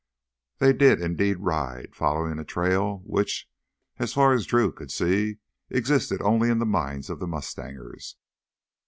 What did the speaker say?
They did indeed ride, following a trail which, as far as Drew could see, existed only in the minds of the mustangers.